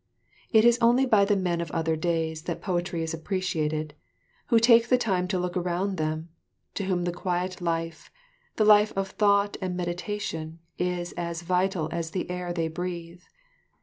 It is only by the men of other days that poetry is appreciated, who take the time to look around them, to whom the quiet life, the life of thought and meditation is as vital as the air they breathe.